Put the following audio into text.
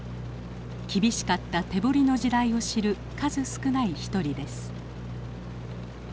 厳しかった手掘りの時代を知る数少ない一人です。